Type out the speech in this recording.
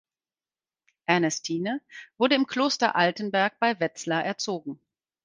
Ernestine wurde im Kloster Altenberg bei Wetzlar erzogen.